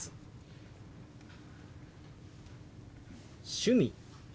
「趣味」。